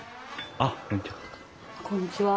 あっこんにちは。